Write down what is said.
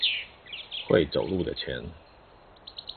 會走路的錢